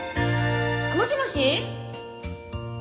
もしもし？え？